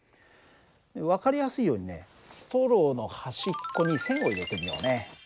分かりやすいようにねストローの端っこに線を入れてみようね。